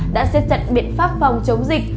đã xếp chặn biện pháp phòng chống dịch